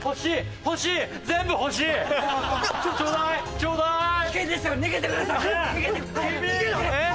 ちょうだい！